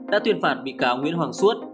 đã tuyên phạt bị cáo nguyễn hoàng suốt